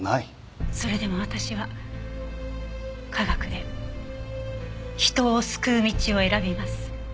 それでも私は科学で人を救う道を選びます。